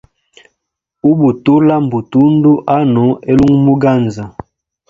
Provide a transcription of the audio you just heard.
Ubutula mbutundu ano elungu muganza.